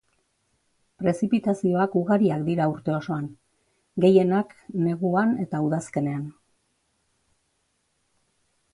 Prezipitazioak ugariak dira urte osoan, gehienak neguan eta udazkenean.